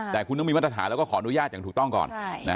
แต่คุณต้องมีมาตรฐานแล้วก็ขออนุญาตอย่างถูกต้องก่อน